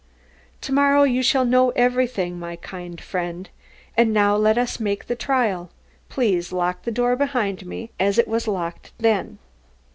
"To morrow you shall know everything, my kind friend. And now, let us make the trial. Please lock the door behind me as it was locked then."